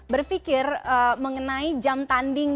berfikir mengenai jam tanding